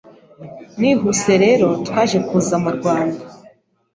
Nihuse rero twaje kuza mu Rwanda